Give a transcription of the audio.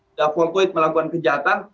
sudah voltoid melakukan kejahatan